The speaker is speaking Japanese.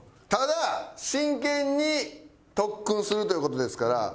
ただ真剣に特訓するという事ですから。